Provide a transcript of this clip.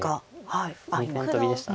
２線トビでした。